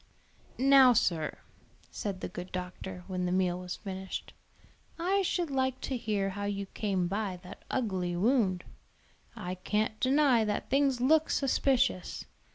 "Now, sir," said the good doctor, when the meal was finished, "I should like to hear how you came by that ugly wound. I can't deny that things look suspicious.